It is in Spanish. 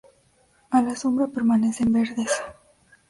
A la sombra permanecen verdes.